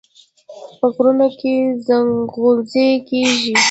په غرونو کې ځنغوزي کیږي.